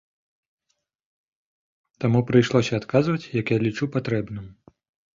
Таму прыйшлося адказваць, як я лічу патрэбным.